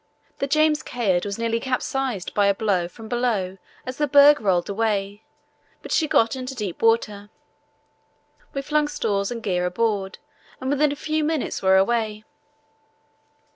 The James Caird was nearly capsized by a blow from below as the berg rolled away, but she got into deep water. We flung stores and gear aboard and within a few minutes were away.